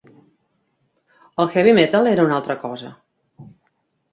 El Heavy Metal era una altra cosa.